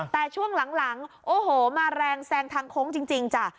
แต่ช่วงหลังโอ้โหมาแรงแซงทางโค้งจริงจ้ะ